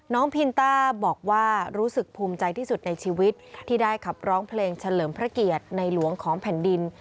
พินต้าบอกว่ารู้สึกภูมิใจที่สุดในชีวิตที่ได้ขับร้องเพลงเฉลิมพระเกียรติในหลวงของแผ่นดิน